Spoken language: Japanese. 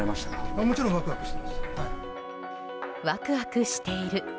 ワクワクしている。